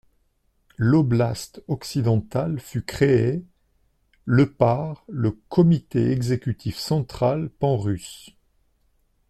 L'oblast Occidental fut créée le par le Comité exécutif central panrusse.